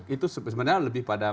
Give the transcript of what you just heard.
itu sebenarnya lebih pada